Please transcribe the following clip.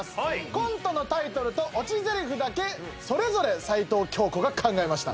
コントのタイトルとオチ台詞だけそれぞれ齊藤京子が考えました。